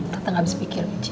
tante gak bisa pikir michi